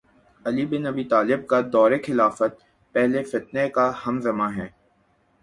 علی بن ابی طالب کا دور خلافت پہلے فتنے کا ہم زمان ہے